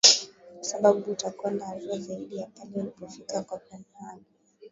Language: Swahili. kwa sababu utakwenda hatua zaidi ya pale ulipofika copenhagen